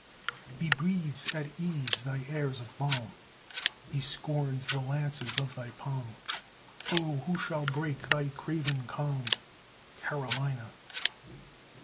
He breathes at ease thy airs of balm, He scorns the lances of thy palm; Oh! who shall break thy craven calm, Carolina!